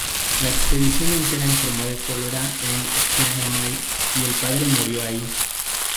La expedición entera enfermó de cólera en Chiang Mai y el padre murió allí.